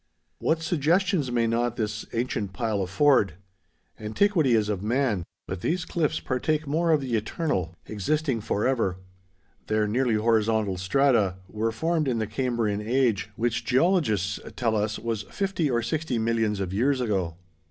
What suggestions may not this ancient pile afford! Antiquity is of man; but these cliffs partake more of the eternal—existing forever. Their nearly horizontal strata were formed in the Cambrian Age, which geologists tell us was fifty or sixty millions of years ago.